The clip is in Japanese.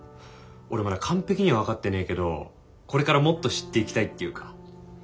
俺まだ完璧には分かってねえけどこれからもっと知っていきたいっていうか。